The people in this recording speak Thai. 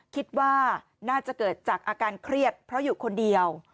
คิดว่าน่าจะเกิดจากอาการเครียดเพราะอยู่คนเดียว